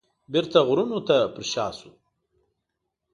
بیرته غرونو ته پرشاته شو.